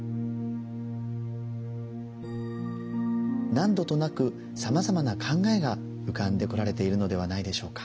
何度となくさまざまな考えが浮かんでこられているのではないでしょうか。